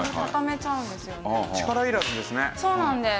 そうなんです。